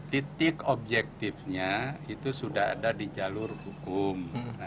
titik objektifnya itu sudah ada di jalur hukum